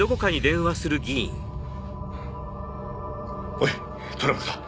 おいトラブルだ。